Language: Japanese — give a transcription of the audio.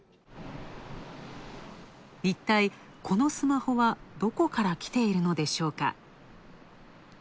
いったい、このスマホはどこからきているのでしょうか。